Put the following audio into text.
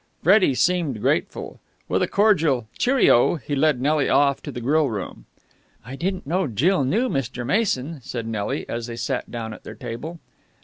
Freddie seemed grateful. With a cordial "Cheerio!" he led Nelly off to the grill room. "I didn't know Jill knew Mr. Mason," said Nelly, as they sat down at their table.